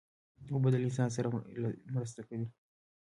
اوبه له انسان سره مرسته کوي.